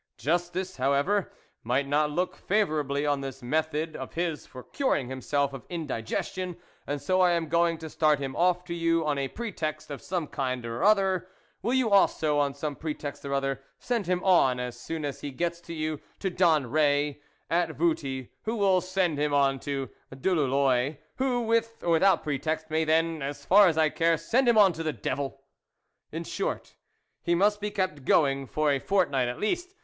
"Justice, however, might not look favourably on this method of his for curing himself of indigestion, and so I am going to start him off to you on a pretext of some kind or other. Will you, also, on some pretext or other, send him on, as soon as he gets to you, to Danre, at Vouty, who will send him on to Dulauloy, who, with or without pretext, may then, as far as I care, send him on to the devil? " In short, he must be kept going for a fortnight at least.